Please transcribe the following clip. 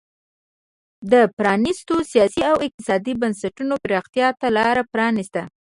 د پرانیستو سیاسي او اقتصادي بنسټونو پراختیا ته لار پرانېسته.